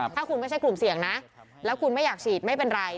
ถ้าคุณไม่ใช่กลุ่มเสี่ยงนะแล้วคุณไม่อยากฉีดไม่เป็นไร